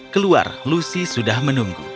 keluar lucy sudah menunggu